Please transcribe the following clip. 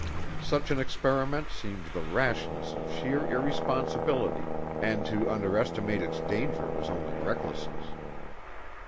Such an experiment seemed the rashness of sheer irresponsibility, and to underestimate its danger was only recklessness.